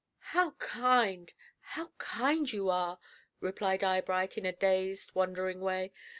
"How kind how kind you are!" replied Eyebright, in a dazed, wondering way.